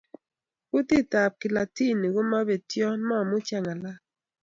Kutit tab Kilatini komapetyon, mamuchi angalal